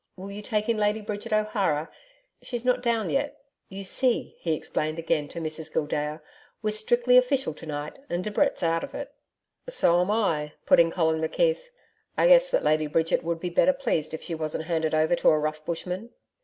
Will you take in Lady Bridget O'Hara? She's not down yet. You see,' he explained again to Mrs Gildea, 'we're strictly official to night and Debrett's out of it.' 'So am I,' put in Colin McKeith. 'I guess that Lady Bridget would be better pleased if she wasn't handed over to a rough bushman.'